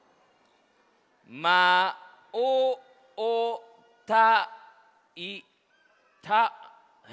「まおおたいた」え？